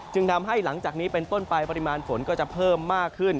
ทำให้หลังจากนี้เป็นต้นไปปริมาณฝนก็จะเพิ่มมากขึ้น